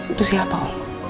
itu siapa om